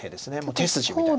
手筋みたいな。